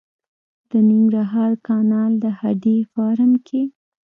د ننګرهار کانال د هډې فارم کې